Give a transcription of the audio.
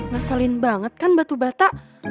ngeselin banget kan batu bata